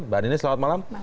mbak nini selamat malam